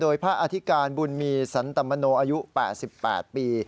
โดยพระอธิการบุญมีสันตมโนอายุ๘๘ปี